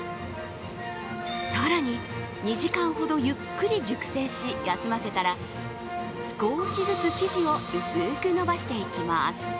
更に２時間ほどゆっくり熟成し、休ませたら少しずつ生地を薄くのばしていきます。